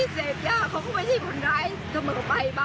สวัสดีครับ